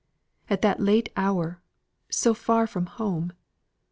At that late hour, so far from home!